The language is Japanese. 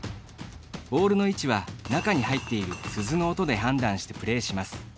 ボールの位置は、中に入っている鈴の音で判断してプレーします。